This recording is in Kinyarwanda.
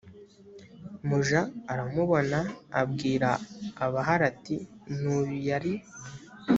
muja aramubona abwira abahari ati n uyu yari